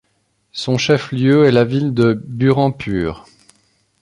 Son chef-lieu est la ville de Burhanpur.